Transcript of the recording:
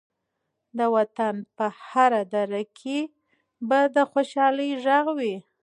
د وطن په هره دره کې به د خوشحالۍ غږ وي.